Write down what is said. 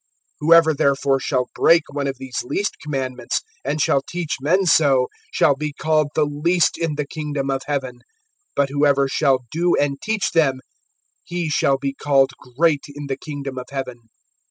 (19)Whoever therefore shall break one of these least commandments, and shall teach men so, shall be called the least in the kingdom of heaven; but whoever shall do and teach them, he shall be called great in the kingdom of heaven.